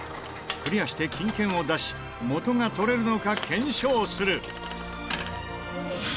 クリアして金券を出し元が取れるのか検証する。